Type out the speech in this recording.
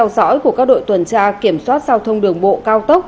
đội tuần tra kiểm soát giao thông đường bộ cao tốc